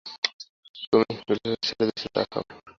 তুমি গোসলটোসল সেরে এসে চা খাও।